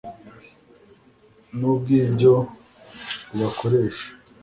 n'ubw'ibyo bubakoresha